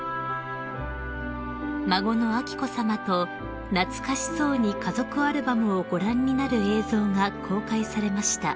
［孫の彬子さまと懐かしそうに家族アルバムをご覧になる映像が公開されました］